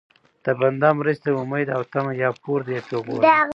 د بنده مرستې ته امید او طمع یا پور دی یا پېغور دی